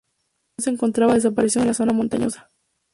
El avión se encontraba desaparecido en la zona montañosa.